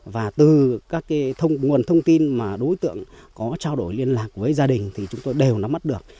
và từ các nguồn thông tin mà đối tượng có trao đổi liên lạc với gia đình thì chúng tôi đều nắm mắt được